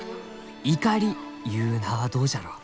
「『イカリ』ゆう名はどうじゃろう？